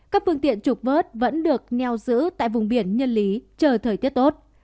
các phương tiện trục vớt vẫn được neo giữ tại vùng biển nhân lý chờ thời tiết tốt